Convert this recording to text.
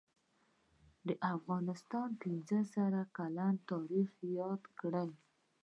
دافغانستان پنځه زره کلن تاریخ یاد کړه